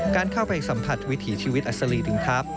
การเข้าไปสัมผัสวิถีชีวิตอัศรีถึงทัพ